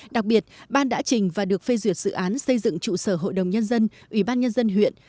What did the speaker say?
đặc biệt ban đã trình và được phê duyệt dự án xây dựng trụ sở hội đồng nhân dân ủy ban nhân dân huyện